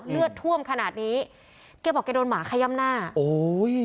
เลือดท่วมขนาดนี้แกบอกแกโดนหมาขย่ำหน้าโอ้ย